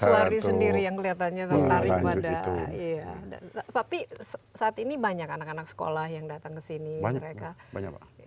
tapi saat ini banyak anak anak sekolah yang datang ke sini